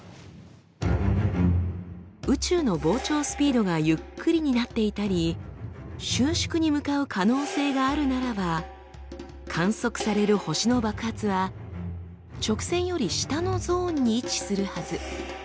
宇宙の膨張スピードがゆっくりになっていたり収縮に向かう可能性があるならば観測される星の爆発は直線より下のゾーンに位置するはず。